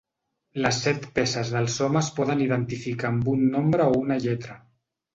Les set peces del Soma es poden identificar amb un nombre o una lletra.